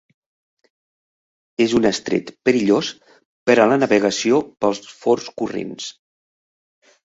És un estret perillós per a la navegació pels forts corrents.